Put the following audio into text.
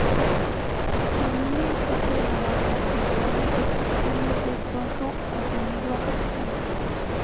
Carmine es parte de la mafia en Filadelfia, deseando ser pronto ascendido a capitán.